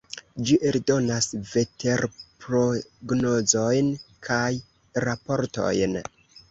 Ĝi eldonas veterprognozojn kaj raportojn.